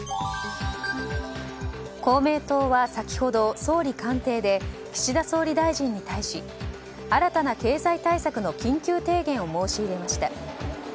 公明党は先ほど総理官邸で岸田総理大臣に対し新たな経済対策の緊急提言を申し入れました。